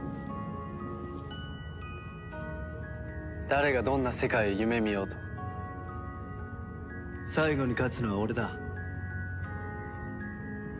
誰がどんな世界を夢見ようと最後に勝つのは俺だ。